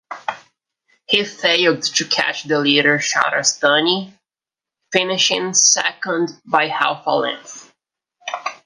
He failed to catch the leader Shahrastani finishing second by half a length.